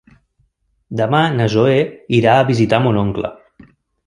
Demà na Zoè irà a visitar mon oncle.